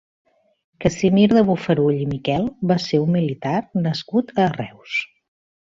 Casimir de Bofarull i Miquel va ser un militar nascut a Reus.